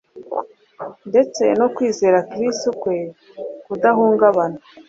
ndetse no kwizera Kristo kwe kudahungabana